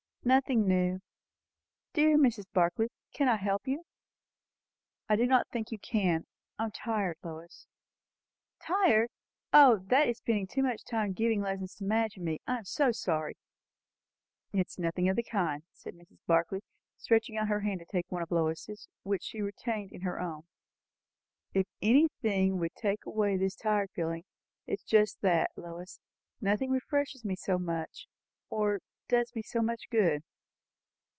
"Nothing new." "Dear Mrs. Barclay, can I help you?" "I do not think you can. I am tired, Lois!" "Tired! O, that is spending so much time giving lessons to Madge and me! I am so sorry." "It is nothing of the kind," said Mrs. Barclay, stretching out her hand to take one of Lois's, which she retained in her own. "If anything would take away this tired feeling, it is just that, Lois. Nothing refreshes me so much, or does me so much good."